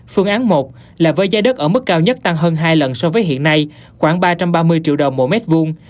phương án một là với giá đất ở mức cao nhất tăng hơn hai lần so với hiện nay khoảng ba trăm ba mươi triệu đồng mỗi mét vuông